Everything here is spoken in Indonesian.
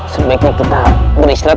sem supper kita berisik pada seni